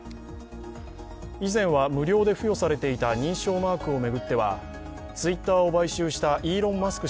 以前は無料で付与されていた認証マークを巡っては、Ｔｗｉｔｔｅｒを買収したイーロン・マスク